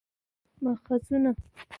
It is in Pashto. ماخذونه: